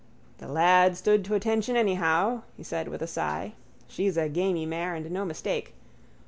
—The lad stood to attention anyhow, he said with a sigh. She's a gamey mare and no mistake.